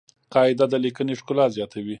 قاعده د لیکني ښکلا زیاتوي.